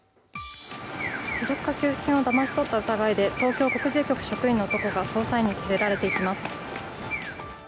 持続化給付金をだまし取った疑いで東京国税局職員の男が捜査員に連れられていきます。